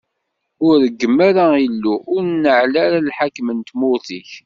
Ur reggem ara Illu, ur neɛɛel ara lḥakem n tmurt-ik.